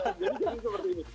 jadi jadi seperti ini